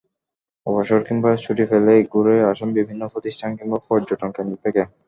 অবসর কিংবা ছুটি পেলেই ঘুরে আসেন বিভিন্ন প্রতিষ্ঠান কিংবা পর্যটনকেন্দ্র থেকে।